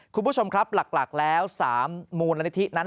คุณผู้ชมครับหลักแล้ว๓มูลนิธินั้น